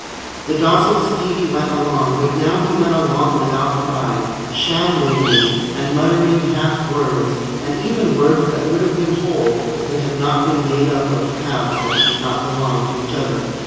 The docile Stevie went along; but now he went along without pride, shamblingly, and muttering half words, and even words that would have been whole if they had not been made up of halves that did not belong to each other.